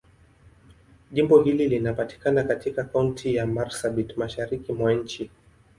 Jimbo hili linapatikana katika Kaunti ya Marsabit, Mashariki mwa nchi.